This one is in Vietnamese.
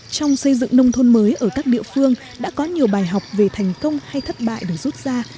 trong xây dựng nông thôn mới ở các địa phương đã có nhiều bài học về thành công hay thất bại được rút ra